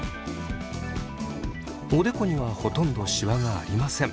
おでこにはほとんどシワがありません。